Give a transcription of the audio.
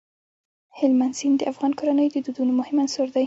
هلمند سیند د افغان کورنیو د دودونو مهم عنصر دی.